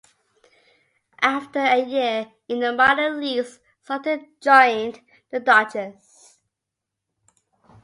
After a year in the minor leagues, Sutton joined the Dodgers.